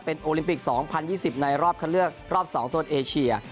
เป็นโอลิมปิกสองพันยี่สิบในรอบคันเลือกรอบสองส่วนเอเชีย